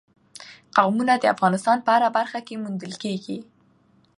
قومونه د افغانستان په هره برخه کې موندل کېږي.